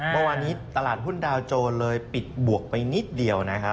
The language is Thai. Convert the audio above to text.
เมื่อวานนี้ตลาดหุ้นดาวโจรเลยปิดบวกไปนิดเดียวนะครับ